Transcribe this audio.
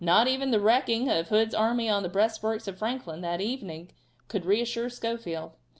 Not even the wrecking of Hood's army on the breastworks of Franklin that evening could reassure Schofield.